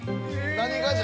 何がじゃ。